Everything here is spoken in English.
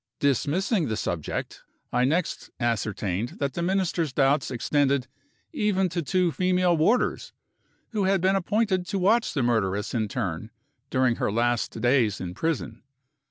Dismissing the subject, I next ascertained that the Minister's doubts extended even to the two female warders, who had been appointed to watch the murderess in turn, during her last days in prison.